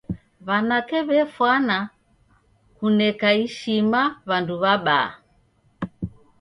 W'anake w'efwana kuneka ishima w'andu w'abaa.